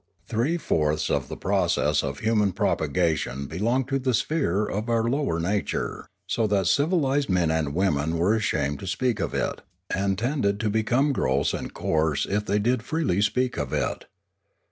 Three fourths of the process of human propagation belonged to the sphere of our lower 444 Limanora nature, so that civilised men and women were ashamed to speak of it, and tended to become gross and coarse if they did freely speak of it.